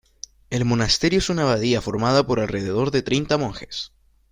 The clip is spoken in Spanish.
El monasterio es una abadía formada por alrededor de treinta monjes.